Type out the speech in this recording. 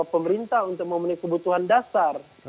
pemerintah untuk memenuhi kebutuhan dasar